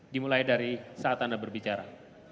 dimulai dari saat anda berbicara